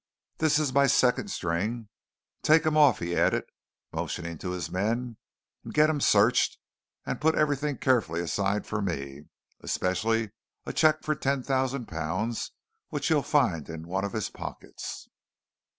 This is my second string. Take him off," he added, motioning to his men, "and get him searched, and put everything carefully aside for me especially a cheque for ten thousand pounds which you'll find in one of his pockets."